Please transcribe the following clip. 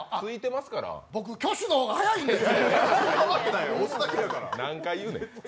僕、挙手の方が速いです！